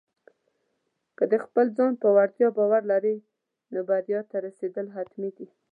که د خپل ځان پر وړتیا باور لرې، نو بریا ته رسېدل حتمي دي.